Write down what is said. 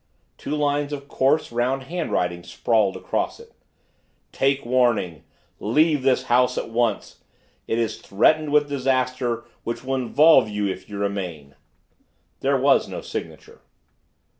Two lines of coarse, round handwriting sprawled across it: Take warning! Leave this house at once! It is threatened with disaster which will involve you if you remain! There was no signature.